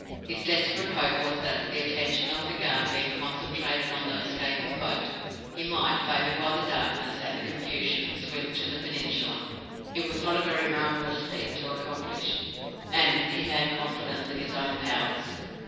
His desperate hope was that, the attention of the guard being concentrated on the escaping boat, he might, favoured by the darkness and the confusion swim to the peninsula. It was not a very marvellous feat to accomplish, and he had confidence in his own powers.